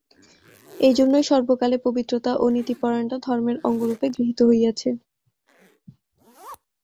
এইজন্যই সর্বকালে পবিত্রতা ও নীতিপরায়ণতা ধর্মের অঙ্গরূপে গৃহীত হইয়াছে।